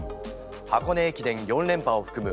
箱根駅伝４連覇を含む